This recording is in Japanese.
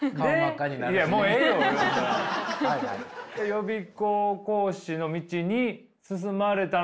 予備校講師の道に進まれたのは？